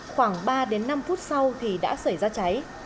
khoảng ba đến năm phút sau thì đã xảy ra cháy